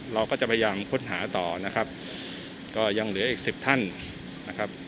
เราก็จะพยายามค้นหาต่อนะครับก็ยังเหลืออีกสิบท่านนะครับ